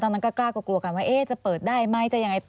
ตอนนั้นก็กล้ากลัวกลัวกันว่าจะเปิดได้ไหมจะยังไง